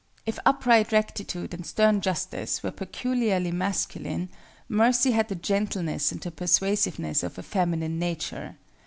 If upright Rectitude and stern Justice were peculiarly masculine, Mercy had the gentleness and the persuasiveness of a feminine nature.